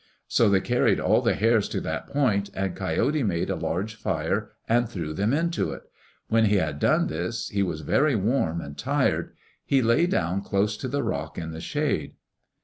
So they carried all the hares to that point and Coyote made a large fire and threw them into it. When he had done this he was very warm and tired. He lay down close to the rock in the shade.